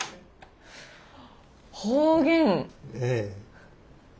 ええ。